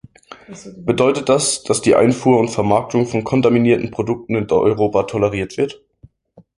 Bedeutet das, dass die Einfuhr und Vermarktung von kontaminierten Produkten in Europa toleriert wird?